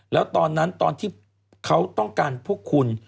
แล้วตอนนั้นตอนที่เขาต้องการพวกคุณ